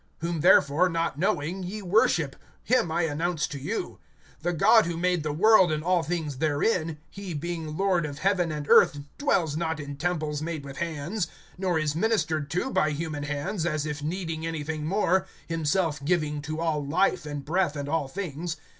Whom therefore, not knowing, ye worship, him I announce to you. (24)The God who made the world and all things therein, he being Lord of heaven and earth, dwells not in temples made with hands; (25)nor is ministered to by human hands, as if needing anything more, himself giving to all life, and breath, and all things.